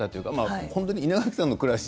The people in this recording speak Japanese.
本当に稲垣さんの暮らし